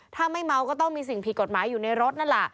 ถ้าไม่เมาก็ต้องมีสิ่งผิดกฎหมายอยู่ในรถนั่นแหละ